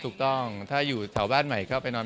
ถูกต้องถ้าอยู่ในแถวบ้านใหม่ก็นอนมาบ้านใหม่